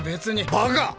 バカ！